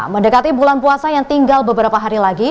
mendekati bulan puasa yang tinggal beberapa hari lagi